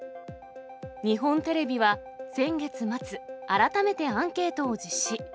日本テレビは先月末、改めてアンケートを実施。